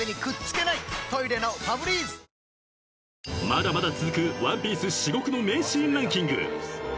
［まだまだ続く『ワンピース』至極の名シーンランキング］